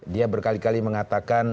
dia berkali kali mengatakan